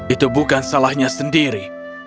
itu bukan salahnya sendiri